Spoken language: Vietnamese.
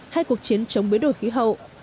hay cuộc chiến chống biến đổi khí hậu